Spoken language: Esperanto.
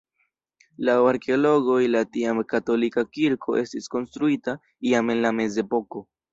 Laŭ arkeologoj la tiam katolika kirko estis konstruita iam en la mezepoko.